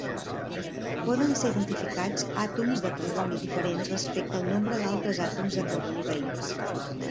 Poden ser identificats àtoms de carboni diferents respecte al nombre d'altres àtoms de carboni veïns.